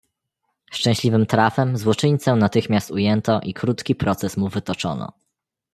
"Szczęśliwym trafem złoczyńcę natychmiast ujęto i krótki proces mu wytoczono."